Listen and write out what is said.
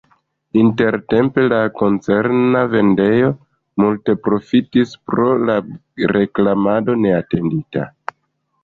Intertempe la koncerna vendejo multe profitis pro la reklamado neatendita.